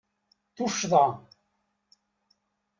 Tuccḍa!